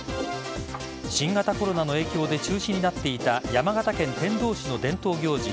新型コロナの影響で中止になっていた山形県天童市の伝統行事